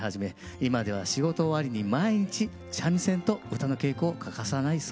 今では仕事終わりに毎日三味線と唄の稽古を欠かさないそうです。